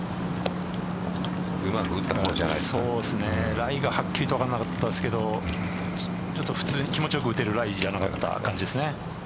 ライがはっきりと分からなかったですけど気持ちよく打てるライじゃなかった感じですね。